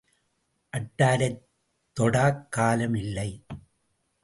அட்டாரைத் தொடாக் காலம் இல்லை.